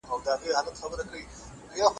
خلګ باید په یووالي کي ژوند وکړي.